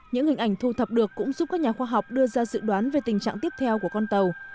những hình ảnh thu thập được cũng giúp các nhà khoa học đưa ra dự đoán về tình trạng tiếp theo của con tàu